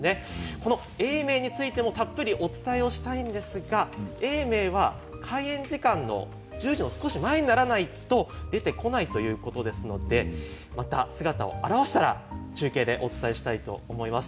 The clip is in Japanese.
この永明についてもたっぷりお伝えしたいんですが永明は開園時間の１０時少し前にならないと出てこないということですのでまた姿を現したら中継でお伝えしたいと思います。